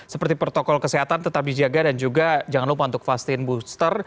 seperti protokol kesehatan tetap dijaga dan juga jangan lupa untuk vaksin booster